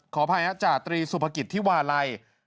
ขออภัยจาตรีสุภกิจที่วาลัย